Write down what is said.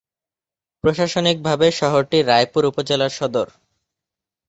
প্রশাসনিকভাবে শহরটি রায়পুর উপজেলার সদর।